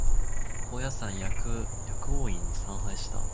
高尾山薬王院に参拝した